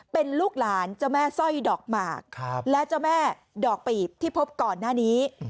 เป็นลูกหลานเจ้าแม่สร้อยดอกหมากและเจ้าแม่ดอกปีบที่พบก่อนหน้านี้